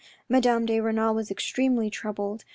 Madame de Renal was extremely troubled.